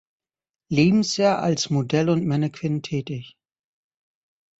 Lebensjahr als Model und Mannequin tätig.